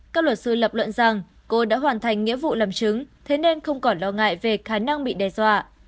các luật sư lập luận rằng cô đã hoàn thành nghĩa vụ làm chứng thế nên không còn lo ngại về khả năng bị đe dọa